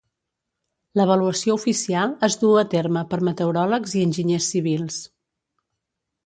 L'avaluació oficial es duu a terme per meteoròlegs i enginyers civils.